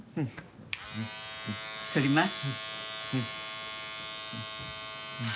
そります。